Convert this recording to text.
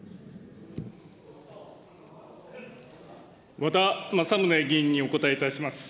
和田政宗議員にお答えいたします。